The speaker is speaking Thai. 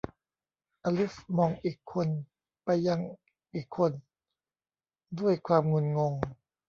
อลิซมองอีกคนไปยังอีกคนด้วยความงุนงง